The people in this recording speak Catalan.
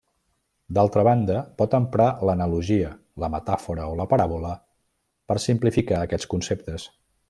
D'altra banda pot emprar l'analogia, la metàfora o la paràbola per simplificar aquests conceptes.